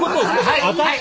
はい。